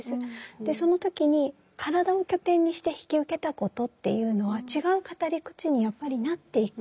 でその時に体を拠点にして引き受けたことっていうのは違う語り口にやっぱりなっていくんですね。